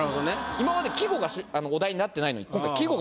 今まで季語がお題になってないのに。